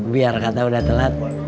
biar kata udah telat